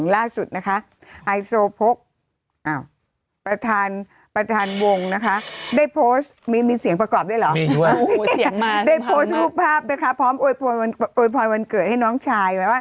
ล่าสุดอาร์โซเพ้ว่งได้โพสตรูภาพเพลาะปล่อยวันเกิดให้น้องชาย